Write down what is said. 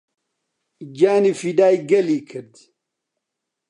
گیانی فیدای گەلی کرد